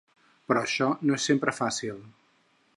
Però això no és sempre fàcil.